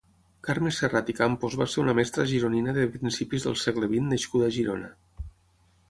Carme Serrat i Campos va ser una mestra gironina de principis del segle vint nascuda a Girona.